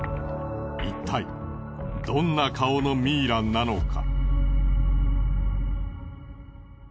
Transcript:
いったいどんな顔のミイラなのか？